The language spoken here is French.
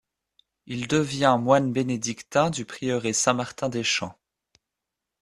Il devient moine bénédictin du prieuré Saint-Martin-des-Champs.